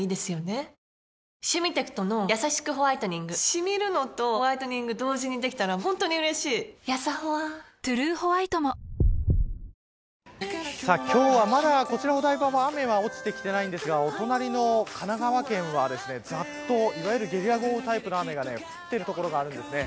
シミるのとホワイトニング同時にできたら本当に嬉しいやさホワ「トゥルーホワイト」も今日は、まだこちらお台場は雨は落ちてきてないんですがお隣の神奈川県はざっと、いわゆるゲリラ豪雨タイプの雨が降ってる所があるんですね。